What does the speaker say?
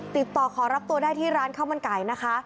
ติดต่อขอรับตัวได้ที่ร้านข้าวมันไก่นะคะ